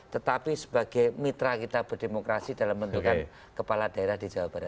tetapi sebagai mitra kita berdemokrasi dalam bentukan kepala daerah di jawa barat